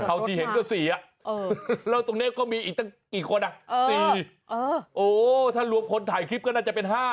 โอ้โหถ้าหลวงคนถ่ายคลิปก็น่าจะเป็นห้า